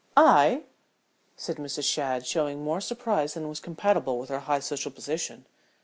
"I?" said Mrs. Shadd, showing more surprise than was compatible with her high social position.